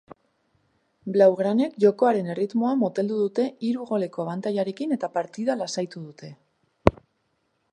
Blaugranek jokoaren erritmoa moteldu dute hiru goleko abantailarekin eta partida lasaitu dute.